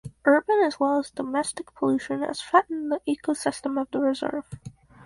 Urban as well as domestic pollution has threatened the ecosystem of the reserve.